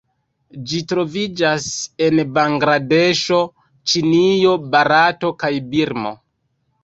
Ĝi troviĝas en Bangladeŝo, Ĉinio, Barato kaj Birmo.